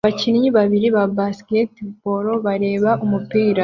Abakinnyi babiri ba basketball bareba umupira